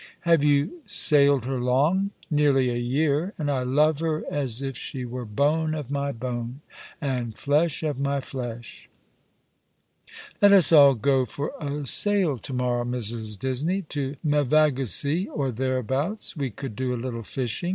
" Have you sailed her long ?"" Nearly a year, and I love her as if she were bone of my bone, and flesh of my flesh. Let us all go for a sail to morrow, Mrs. Disney — to Mevagissey or thereabouts. We could do a little fishing.